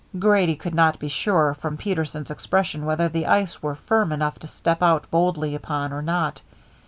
Grady could not be sure from Peterson's expression whether the ice were firm enough to step out boldly upon, or not.